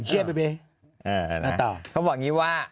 เย็บเบบเบเออนะเขาบอกงี้ว่า